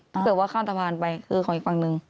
ถ้าเกิดว่าข้ามสะพานไปคือของอีกฝั่งหนึ่ง